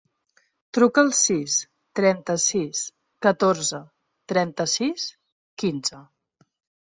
Truca al sis, trenta-sis, catorze, trenta-sis, quinze.